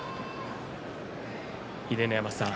秀ノ山さん